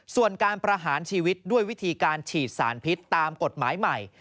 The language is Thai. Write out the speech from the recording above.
ส่วนการประหารชีวิตด้วยวิธีการฉีดสารพิษตามกฎหมายใหม่